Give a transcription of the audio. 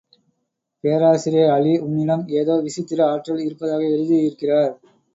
பேராசிரியர் அலி, உன்னிடம் ஏதோ விசித்திர ஆற்றல் இருப்பதாக எழுதியிருக்கிறார்.